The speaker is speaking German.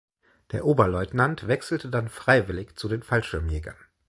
Der Oberleutnant wechselte dann freiwillig zu den Fallschirmjägern.